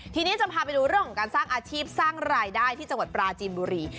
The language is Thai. ทีนี้จะพาไปดูเรื่องของการสร้างอาชีพสร้างรายได้ที่จังหวัดปราจีนบุรี